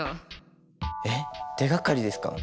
えっ手がかりですか？